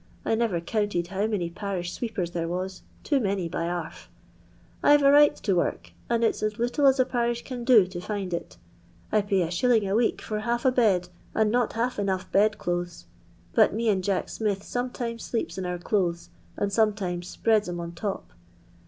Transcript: I never counted how many parish sweepers there wns ; too many by aril I've a rights to work, and it 's as little as a parish can do to find it. I pay \s. a week for half a bed, and not half enough bed clothes ; but mo and Jack Smith Eometimes sleeps in our clothes, and sometimes spreads 'em o' top.